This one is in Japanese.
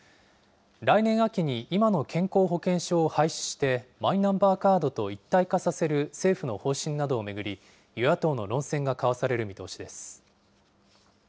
来年秋に今の健康保険証を廃止して、マイナンバーカードと一体化させる政府の方針などを巡り、与野党の論戦が交わされる見通しです。